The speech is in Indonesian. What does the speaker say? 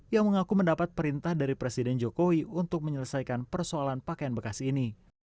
yang mengaku mendapat perintah dari presiden jokowi untuk menyelesaikan persoalan pakaian bekas ini